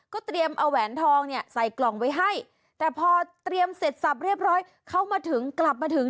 เตรียมเอาแหวนทองเนี่ยใส่กล่องไว้ให้แต่พอเตรียมเสร็จสับเรียบร้อยเขามาถึงกลับมาถึง